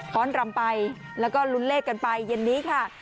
้อนรำไปแล้วก็ลุ้นเลขกันไปเย็นนี้ค่ะ